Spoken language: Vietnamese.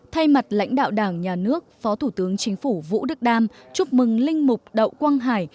thay mặt lãnh đạo đảng nhà nước phó thủ tướng chính phủ vũ đức đam chúc mừng linh mục đậu quang hải